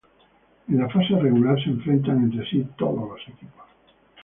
En la fase regular se enfrentan entre sí todos los equipos.